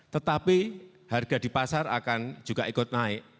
tetapi harga di pasar akan juga ikut naik